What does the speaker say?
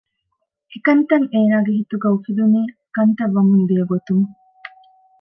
އެކަންތައް އޭނަގެ ހިތުގައި އުފެދުނީ ކަންތައް ވަމުން ދިޔަ ގޮތުން